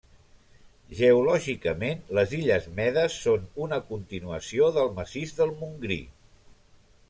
Geològicament les illes medes són una continuació del massís del Montgrí.